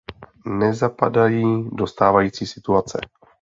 Nezapadají do stávající situace.